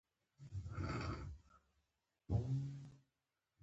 دوه پاچاهان نه ځاییږي.